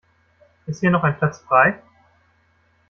Ist hier noch ein Platz frei?